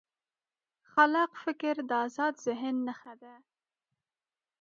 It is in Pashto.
خلاق فکر د ازاد ذهن نښه ده.